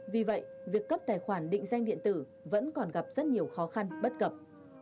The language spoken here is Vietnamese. vì vậy việc cấp tài khoản định danh điện tử vẫn còn gặp rất nhiều khó khăn bất cập